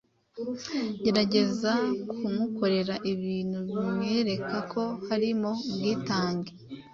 Gerageza kumukorera ibintu bimwereka ko harimo ubwitange